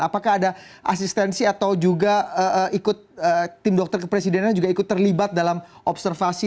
apakah ada asistensi atau juga ikut tim dokter kepresidenan juga ikut terlibat dalam observasi